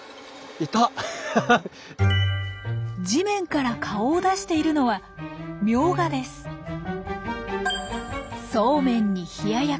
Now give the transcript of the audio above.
地面から顔を出しているのはそうめんに冷奴。